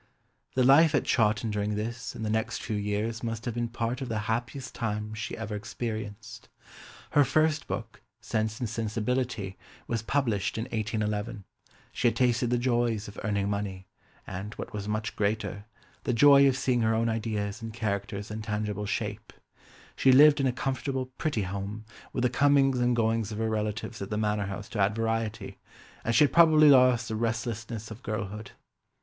The life at Chawton during this and the next few years must have been part of the happiest time she ever experienced. Her first book, Sense and Sensibility, was published in 1811; she had tasted the joys of earning money, and, what was much greater, the joy of seeing her own ideas and characters in tangible shape; she lived in a comfortable, pretty home, with the comings and goings of her relatives at the Manor House to add variety, and she had probably lost the restlessness of girlhood.